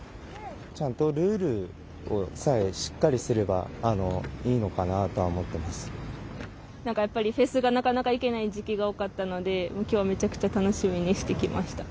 ちゃんとルールさえしっかりすれば、なんかやっぱり、フェスがなかなか行けない時期が多かったので、きょうはめちゃくちゃ楽しみにして来ました。